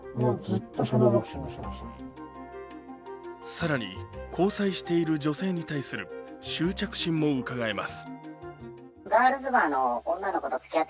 更に交際している女性に対する執着心もうかがえます。